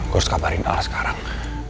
bos kabarin allah sekarang